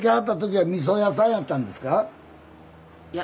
いや。